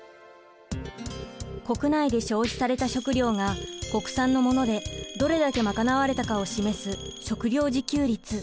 国内で消費された食料が国産のものでどれだけ賄われたかを示す食料自給率。